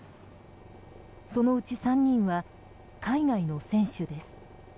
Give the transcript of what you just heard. そのうち３人は海外の選手です。